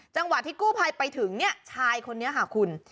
จังหวะที่กู้ภัยไปถึงเนี่ยชายคนนี้ค่ะคุณ